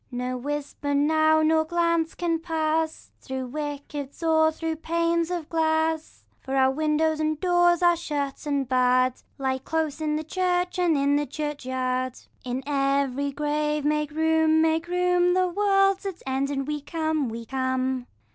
No whisper now nor glance can pass Through wickets or through panes of glass ; For our windows and doors are shut and barr'd. Lye close in the church, and in the church yard. THE LAW AGAINST LOVERS. 153 In ev'ry grave make room, make room ! The world's at an end, and we come, Ave come.